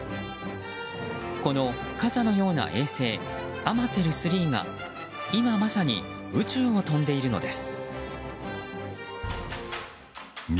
この傘のような衛星「アマテル３」が今まさに宇宙を飛んでいるのです。